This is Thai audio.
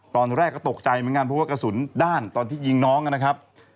ตอนที่ยิงน้องนะครับ